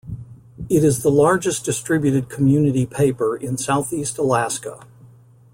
It is the largest distributed community paper in Southeast Alaska.